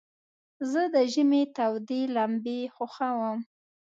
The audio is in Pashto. زه د ژمي تودي لمبي خوښوم.